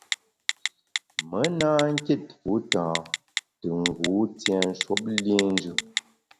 Me na kit fu tâ te ngu tienshwuop liénjù.